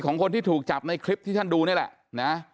ของคนที่ถูกจับในคลิปที่ท่านดูนี่แหละนะ